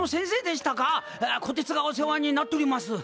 こてつがお世話になっとります。